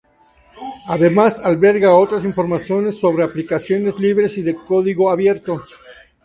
Además, alberga otras informaciones sobre aplicaciones libres y de código abierto.